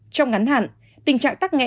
trong ngắn hạn tình trạng tắc nghẽ